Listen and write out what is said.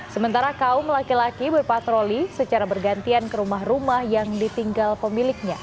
sementara kaum laki laki berpatroli secara bergantian ke rumah rumah yang ditinggal pemiliknya